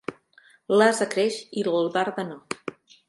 L'ase creix i l'albarda no.